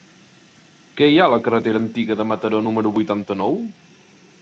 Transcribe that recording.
Què hi ha a la carretera Antiga de Mataró número vuitanta-nou?